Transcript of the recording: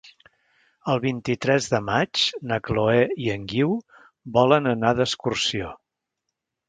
El vint-i-tres de maig na Chloé i en Guiu volen anar d'excursió.